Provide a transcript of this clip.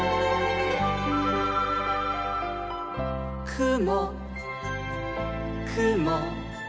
「くもくも」